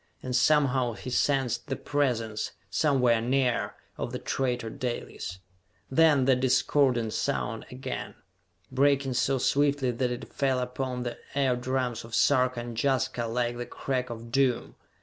And somehow he sensed the presence, somewhere near, of the traitor Dalis! Then that discordant sound again, breaking so swiftly that it fell upon the eardrums of Sarka and Jaska like the crack of doom.